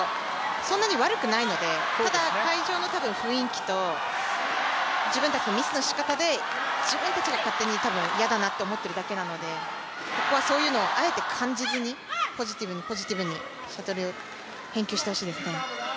そんなに悪くないので、ただ、会場の雰囲気と、自分たちのミスのしかたで自分たちが勝手に嫌だなって思っているだけなので、ここはそういうのをあえて感じずにポジティブに、ポジティブにシャトルを返球してほしいですね。